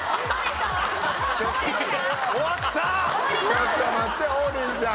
ちょっと待って王林ちゃん。